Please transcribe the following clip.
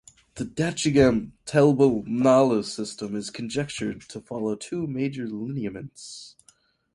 The Dachigam Telbal Nallah system is conjectured to follow two major lineaments.